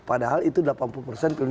itu ada fotonya pak jokowi ma'ruf